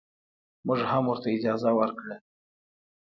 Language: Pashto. موږ هم ورته اجازه ورکړه.